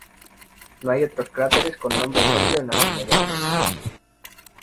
No hay otros cráteres con nombre propio en las inmediaciones.